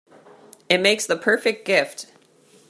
It makes the perfect gift.